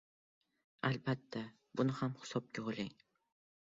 Albatta, buni ham hisobga oling.